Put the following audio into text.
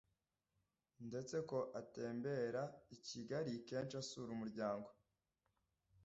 ndetse ko atemberera i Kigali kenshi asura umuryango